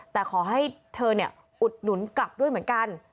แต่ขอให้เธออุดหนุนกลับด้วยเหมือนกัน